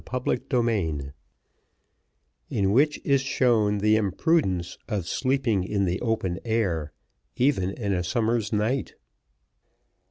Chapter XLII In which is shown the imprudence of sleeping in the open air, even in a summer's night.